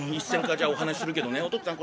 じゃお話するけどねお父っつぁん